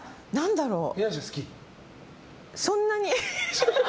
そんなに。